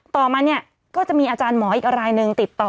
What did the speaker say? ต่อมาเนี่ยก็จะมีอาจารย์หมออีกรายหนึ่งติดต่อ